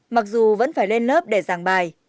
mặc dù vẫn phải lên lớp để giảng bài